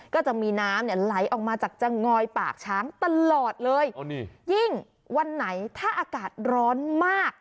ก็จะมีน้ำเนี่ยไหลออกมาจากจะงอยปากช้างตลอดเลยยิ่งวันไหนถ้าอากาศร้อนมาก